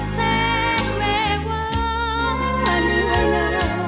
แสงแม่ว้าเนียนา